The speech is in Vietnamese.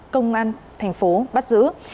công an tp bắt giữ